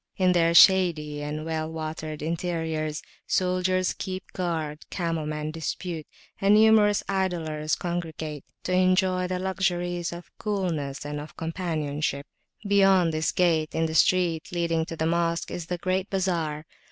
In their shady and well watered interiors, soldiers keep guard, camel men dispute, and numerous idlers congregate, to enjoy the luxuries of coolness and of companionship. Beyond this gate, in the street leading to the Mosque, is the great bazar.